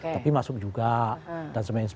tapi masuk juga dan sebagainya